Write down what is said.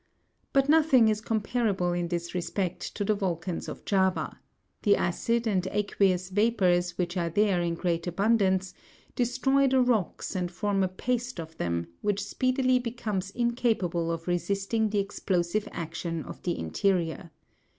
But nothing is comparable in this respect to the volcans of Java; the acid and aqueous vapours which are there in great abundance, destroy the rocks and form a paste of them, which speedily becomes incapable of resisting the explosive action of the interior.